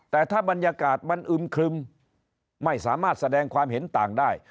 แต่ถ้าบรรยากาศมันอึมครึมไม่สามารถแสดงความเห็นต่างได้